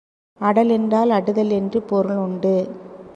அடல் என்றால் அடுதல் என்று பொருள் உண்டு.